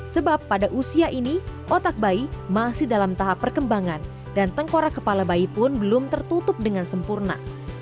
sebab pada usia ini otak bayi masih dalam tahap perkembangan dan tengkorak kepala bayi pun belum tertutup dengan sempurna